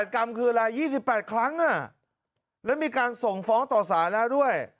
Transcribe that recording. กรรมคืออะไร๒๘ครั้งแล้วมีการส่งฟ้องต่อสารแล้วด้วย